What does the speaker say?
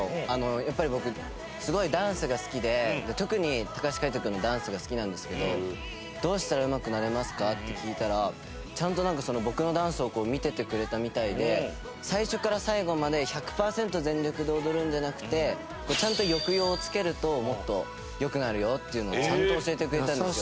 やっぱり僕すごいダンスが好きで特に橋海人君のダンスが好きなんですけど「どうしたらうまくなれますか？」って聞いたらちゃんとなんか僕のダンスを見ててくれたみたいで最初から最後まで１００パーセント全力で踊るんじゃなくてちゃんと抑揚をつけるともっと良くなるよっていうのをちゃんと教えてくれたんですよ。